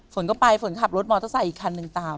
ฝนก็ไปฝนขับรถมอเตอร์ไซค์อีกคันหนึ่งตาม